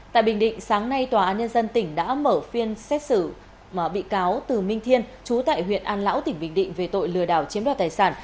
tại bình định sáng nay tòa án nhân dân tỉnh đã mở phiên xét xử bị cáo từ minh thiên chú tại huyện an lão tỉnh bình định về tội lừa đảo chiếm đoạt tài sản